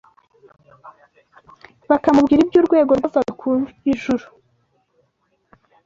Bakamubwira iby’urwego rwavaga ku ijuru